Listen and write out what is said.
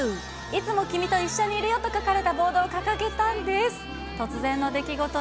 いつも君と一緒にいるとよ書かれたボードを掲げたんです。